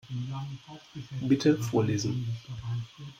Bitte vorlesen.